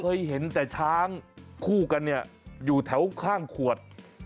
เคยเห็นแต่ช้างคู่กันเนี่ยอยู่แถวข้างขวด